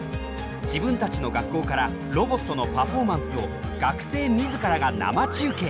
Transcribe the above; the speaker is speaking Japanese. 自分たちの学校からロボットのパフォーマンスを学生みずからが生中継。